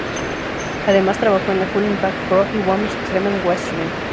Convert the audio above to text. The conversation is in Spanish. Además trabajó en la Full Impact Pro y Women's Extreme Wrestling.